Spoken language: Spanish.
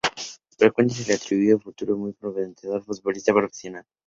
Frecuentemente se le atribuía un futuro muy prometedor como futbolista profesional.